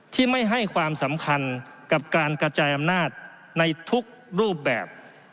ที่ไม่ให้ความสำคัญกับการกระจายอำนาจในทุกรูปแบบ